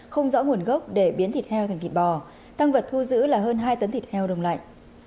không rõ nguồn gốc để biến thịt heo thành thịt bò tăng vật thu giữ là hơn hai tấn thịt heo đông lạnh